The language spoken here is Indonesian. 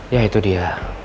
ya itu dia